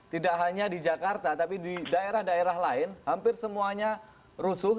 tidak hanya di jakarta tapi di daerah daerah lain hampir semuanya rusuh